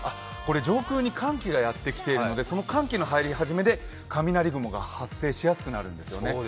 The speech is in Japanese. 上空に寒気がやってきているのでその寒気の発生が由来で雷雲が発生しやすくなるんてすよね。